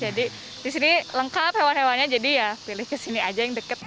jadi di sini lengkap hewan hewannya jadi ya pilih kesini aja yang dekat